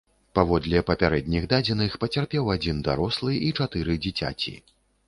Паводле папярэдніх дадзеных, пацярпеў адзін дарослы і чатыры дзіцяці.